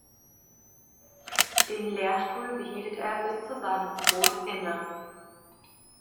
Den Lehrstuhl behielt er bis zu seinem Tod inne.